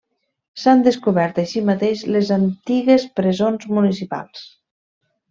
S'han descobert així mateix les antigues presons municipals.